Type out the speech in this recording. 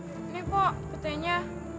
ini pak petainya